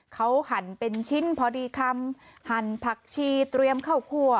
เขาหั่นเป็นชิ้นพอดีคำหั่นผักชีเตรียมข้าวครัว